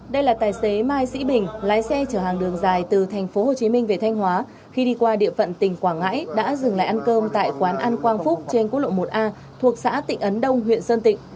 đây là tài xế mai sĩ bình lái xe chở hàng đường dài từ tp hcm về thanh hóa khi đi qua địa phận tỉnh quảng ngãi đã dừng lại ăn cơm tại quán ăn quang phúc trên quốc lộ một a thuộc xã tịnh ấn đông huyện sơn tịnh